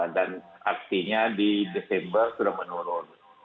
dan artinya di desember sudah menurun